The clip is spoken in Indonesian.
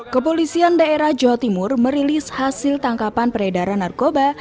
kepolisian daerah jawa timur merilis hasil tangkapan peredaran narkoba